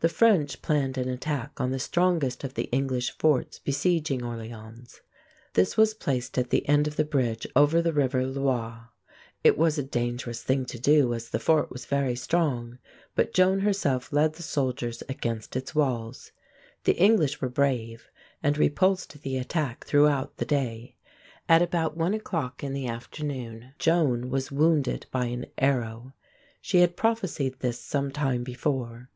The French planned an attack on the strongest of the English forts besieging Orléans. This was placed at the end of the bridge over the river Loire (Lwahr). It was a dangerous thing to do, as the fort was very strong; but Joan herself led the soldiers against its walls. The English were brave, and repulsed the attack throughout the day. At about one o'clock in the afternoon Joan was wounded by an arrow. She had prophesied this sometime before.